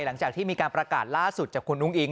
หลังจากที่มีการประกาศล่าสุดจากคุณอุ้งอิง